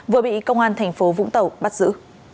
vừa bị công an tp vũng tàu bắt giữ